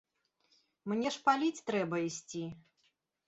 Мне ж паліць трэба ісці.